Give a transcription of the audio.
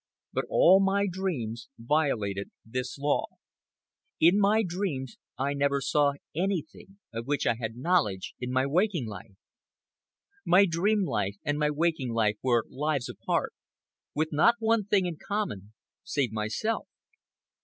But all my dreams violated this law. In my dreams I never saw anything of which I had knowledge in my waking life. My dream life and my waking life were lives apart, with not one thing in common save myself.